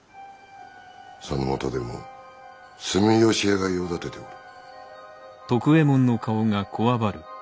その元手も住吉屋が用立てておる。